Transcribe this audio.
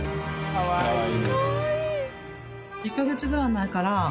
かわいい！